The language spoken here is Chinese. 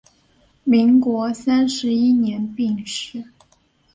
民国三十一年病逝。